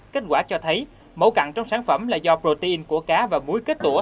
kết quả cho thấy mẫu cặn trong sản phẩm là do protein của cá và muối kết tủa